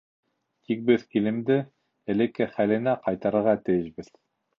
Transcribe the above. Тик беҙ килемде элекке хәленә ҡайтарырға тейешбеҙ.